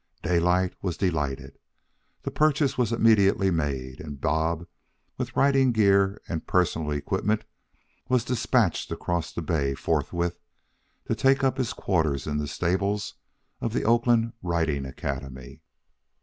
Daylight was delighted; the purchase was immediately made; and Bob, with riding gear and personal equipment, was despatched across the bay forthwith to take up his quarters in the stables of the Oakland Riding Academy.